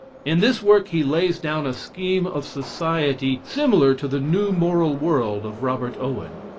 In this work he lays down a scheme of society similar to the "New Moral World," of Robert Owen.